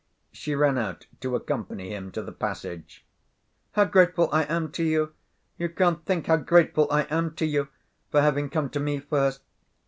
She ran out to accompany him to the passage. "How grateful I am to you! You can't think how grateful I am to you for having come to me, first.